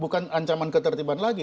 bukan ancaman ketertiban lagi